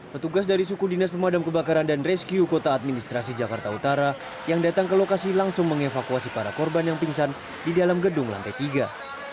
petugas dari suku dinas pemadam kebakaran dan rescue kota administrasi jakarta utara yang datang ke lokasi langsung mengevakuasi para korban yang pingsan di dalam gedung lantai tiga